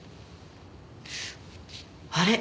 あれ？